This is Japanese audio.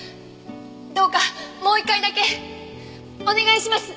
どうかもう一回だけお願いします！